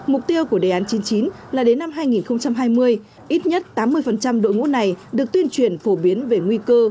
mục tiêu của đề án chín mươi chín là đến năm hai nghìn hai mươi ít nhất tám mươi đội ngũ này được tuyên truyền phổ biến về nguy cơ